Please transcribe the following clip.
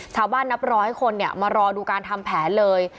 ชาวบ้านนับรอให้คนเนี่ยมารอดูการทำแผนเลย